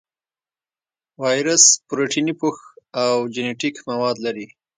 وایرس پروتیني پوښ او جینیټیک مواد لري.